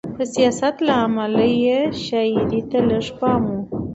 د سیاست له امله یې شاعرۍ ته لږ پام و.